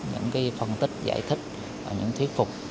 những phân tích giải thích và những thuyết phục